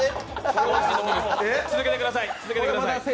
続けてください。